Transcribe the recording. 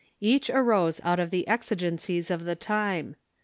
Each arose out of the exigencies of the time.